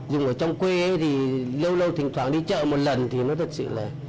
dùng ở trong quê thì lâu lâu thỉnh thoảng đi chợ một lần thì nó thật sự là